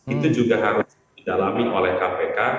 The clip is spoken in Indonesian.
itu juga harus didalami oleh kpk